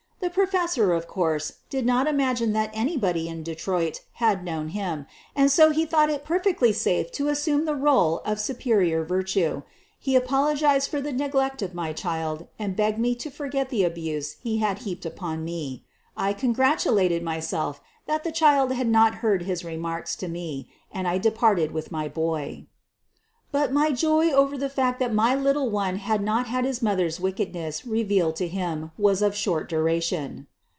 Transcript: The professor, of course, did not imagine that anybody in Detroit had known him, and so he thought it perfectly safe to assume the role of su perior virtue. He apologized for his neglect of my child and begged me to forget the abuse he had heaped upon me. I congratulated myself that the child had not heard his remarks to me, and I de parted with my boy. But my joy over the fact that my little one had not had his mother's wickedness revealed to him was of short duration.